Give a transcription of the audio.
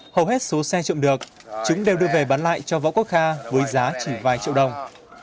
hầu hết số xe trộm được chúng đều đưa về bán lại cho võ quốc kha với giá chỉ vài triệu đồng